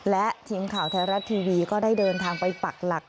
และทีมข่าวไทยรัฐทีวีก็ได้เดินทางไปปักหลัก